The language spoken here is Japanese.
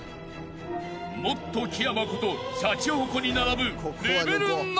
［もっと木山ことシャチホコに並ぶ］